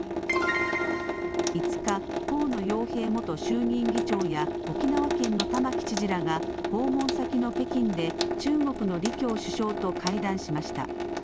５日、河野洋平元衆議院議長や沖縄県の玉城知事らが訪問先の北京で中国の李強首相と会談しました。